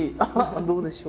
どうでしょう？